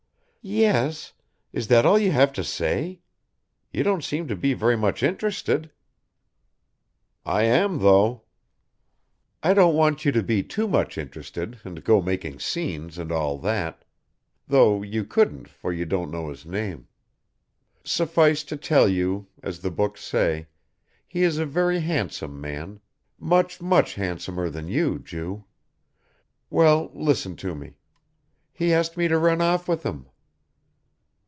"Yes is that all you have to say? You don't seem to be very much interested." "I am though." "I don't want you to be too much interested, and go making scenes and all that though you couldn't for you don't know his name. Suffice to tell you as the books say he is a very handsome man, much, much handsomer than you, Ju Well, listen to me. He asked me to run off with him."